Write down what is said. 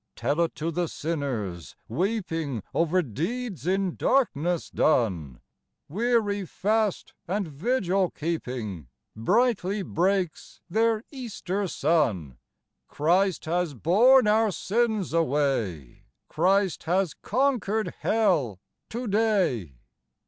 Tell it to the sinners, weeping Over deeds in darkness done, Weary fast and vigil keeping, — Brightly breaks their Easter sun : Christ has borne our sins away, Christ has conquered hell to day.